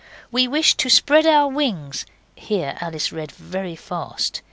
We wish to spread our wings' here Alice read very fast.